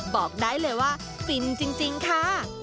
บอกได้เลยว่าฟินจริงค่ะ